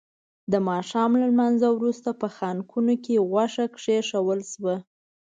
د ماښام له لمانځه وروسته په خانکونو کې غوښه کېښودل شوه.